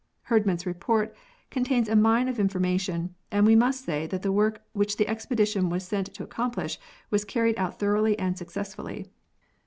Herdman's reports con tain a mine of information, and we must say that the work which the expedition was sent to accomplish, was carried out thoroughly and successfully.